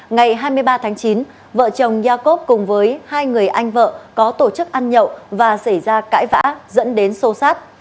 ngày hai mươi ba tháng chín vợ chồng yakov cùng với hai người anh vợ có tổ chức ăn nhậu và xảy ra cãi vã dẫn đến sô sát